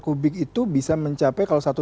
kubik itu bisa mencapai kalau satu